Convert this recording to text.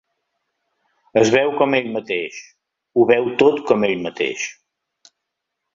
Es veu com ell mateix, ho veu tot com ell mateix.